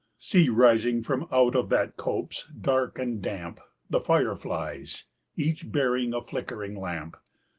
See, rising from out of that copse, dark and damp, The fire flies, each bearing a flickering lamp!